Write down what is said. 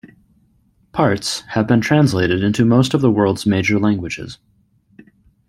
Parts have been translated into most of the world's major languages.